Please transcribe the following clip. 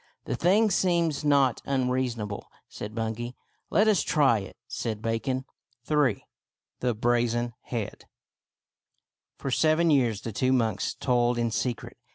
" The thing seems not unreasonable," said Bun gay " Let us try it," said Bacon, III. THE BRAZEN HEAD For seven years the two monks toiled in secret.